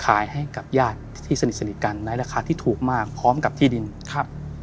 ขายให้กับญาติที่สนิทสนิทกันในราคาที่ถูกมากพร้อมกับที่ดินครับ